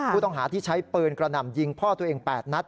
ผู้ต้องหาที่ใช้ปืนกระหน่ำยิงพ่อตัวเอง๘นัด